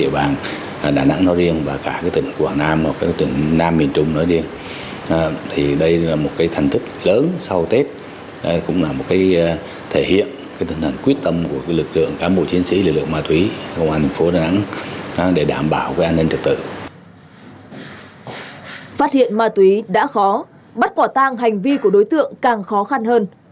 phát hiện ma túy đã khó bắt quả tang hành vi của đối tượng càng khó khăn hơn